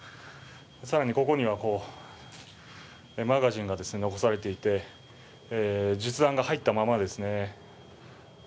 更に、ここにはマガジンが残されていて、実弾が入ったままですね。